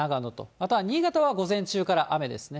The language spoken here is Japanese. あとは新潟は午前中から雨ですね。